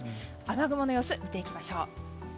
雨雲の様子を見ていきましょう。